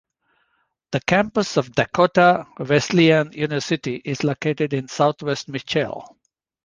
The campus of Dakota Wesleyan University is located in southwest Mitchell.